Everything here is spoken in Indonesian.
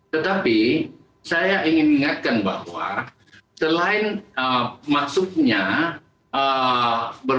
tetapi saya ingin ingatkan bahwa selain maksudnya berbagai katakanlah hewan hewan hidup atau daging menjadi carrier